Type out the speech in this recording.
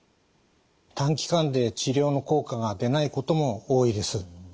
短期間で治療の効果が出ないことも多いです。